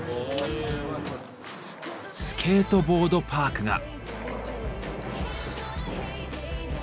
スケートボードパークが。